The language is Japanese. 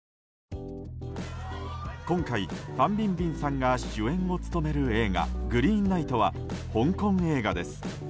今回、ファン・ビンビンさんが主演を務める映画「グリーンナイト」は香港映画です。